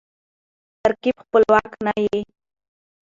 ترکیب خپلواک نه يي.